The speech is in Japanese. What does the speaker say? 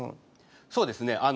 そうですね。